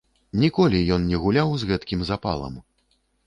Ніколі ён не гуляў з гэткім запалам.